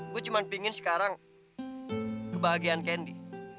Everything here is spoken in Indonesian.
gue cuma pingin sekarang kebahagiaan kendi